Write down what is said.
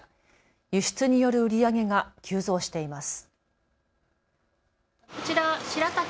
輸出による売り上げが急増しています。